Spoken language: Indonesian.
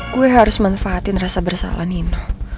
gue harus manfaatin rasa bersalah nino